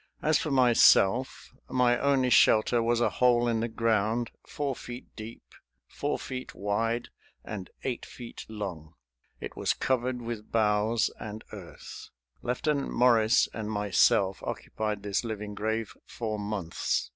As for myself, my only shelter was a hole in the ground, four feet deep, four feet wide and eight feet long. It was covered with boughs and earth. Lieutenant Morris and myself occupied this living grave for months.